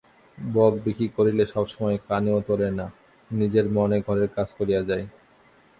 বকবিকি করিলে সবসময় কানেও তোলে না, নিজের মনে ঘরের কাজ করিয়া যায়।